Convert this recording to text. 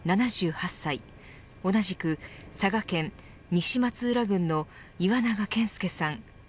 ７８歳同じく佐賀県西松浦郡の岩永健介さん